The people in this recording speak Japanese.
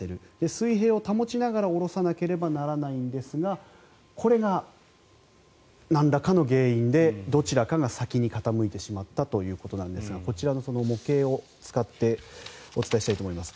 水平を保ちながら下ろさなければならないんですがこれがなんらかの原因でどちらかが先に傾いてしまったということなんですがこちらはその模型を使ってお伝えしたいと思います。